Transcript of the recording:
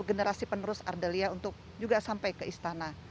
generasi penerus ardelia untuk juga sampai ke istana